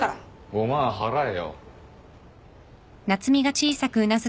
５万払えよ。